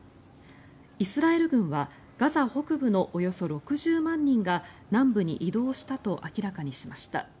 イスラエル軍はガザ北部のおよそ６０万人が南部に移動したと明らかにしました。